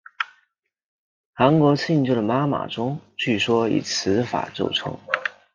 韩国庆州的妈妈钟据说以此法铸成。